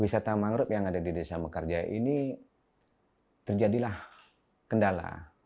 wisata mangrove yang ada di desa mekarjaya ini terjadilah kendala